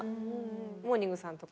モーニングさんとか？